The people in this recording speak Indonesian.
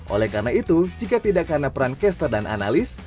oleh karena itu jika tidak karena peran caster dan analis